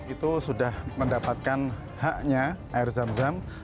itu sudah mendapatkan haknya air zam zam